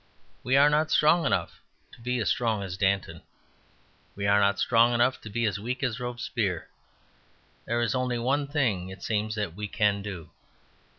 We are not strong enough to be as strong as Danton. We are not strong enough to be as weak as Robespierre. There is only one thing, it seems, that we can do.